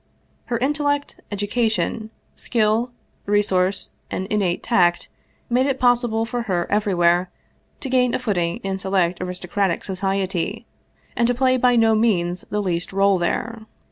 Her intellect, education, skill, resource, and innate tact made it possible for her everywhere to gain a footing in select aristocratic society, and to play by no means the least role there.